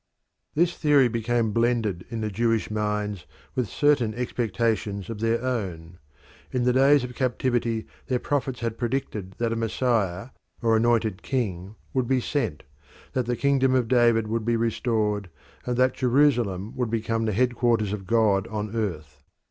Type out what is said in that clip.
This theory became blended in the Jewish minds with certain expectations of their own. In the days of captivity their prophets had predicted that a Messiah or anointed king would be sent, that the kingdom of David would be restored, and that Jerusalem would become the headquarters of God on earth.